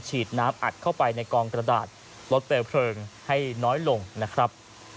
ฉีดน้ำอัดเข้าไปในกองกระดาษลดเปลวเพลิงให้น้อยลงนะครับ